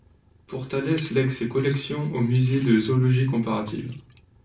Pourtalès lègue ses collections au Musée de zoologie comparative.